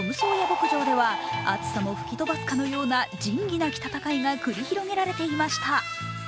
牧場では暑さも吹き飛ばすかのような仁義なき戦いが繰り広げられていました。